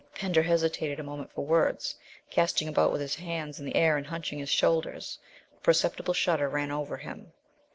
Pender hesitated a moment for words, casting about with his hands in the air and hunching his shoulders. A perceptible shudder ran over him.